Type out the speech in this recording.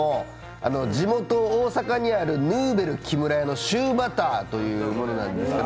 地元・大阪にあるヌーベルキムラヤのシューバターというものです。